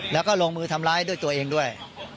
แล้วก็ลงมือทำร้ายด้วยตัวเองด้วย